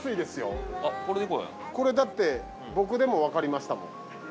これだって僕でも分かりましたもん。